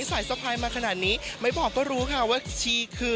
สะพายมาขนาดนี้ไม่บอกก็รู้ค่ะว่าชีคือ